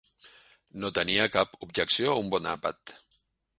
No tenia cap objecció a un bon àpat.